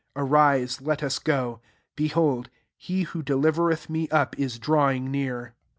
42 Arise, let us go ; behold, he who delivers eth me up is drawing near."